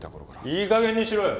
いいかげんにしろよ。